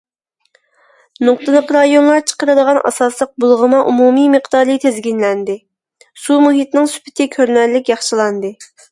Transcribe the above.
نۇقتىلىق رايونلار چىقىرىدىغان ئاساسلىق بۇلغىما ئومۇمىي مىقدارى تىزگىنلەندى، سۇ مۇھىتىنىڭ سۈپىتى كۆرۈنەرلىك ياخشىلاندى.